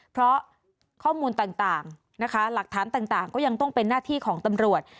เพราะข้อมูลต่างนะคะหลักฐานต่างก็ยังต้องเป็นหน้าที่ของตำรวจ